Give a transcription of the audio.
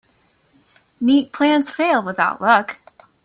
Neat plans fail without luck.